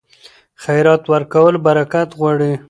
خیرات ورکول برکت راوړي.